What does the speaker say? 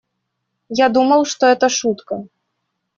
Я думал, что это шутка.